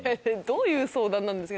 どういう相談なんですか。